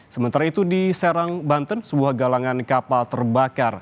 sementara itu di serang banten sebuah galangan kapal terbakar